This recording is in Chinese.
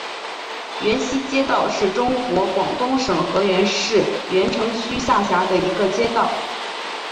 源西街道是中国广东省河源市源城区下辖的一个街道。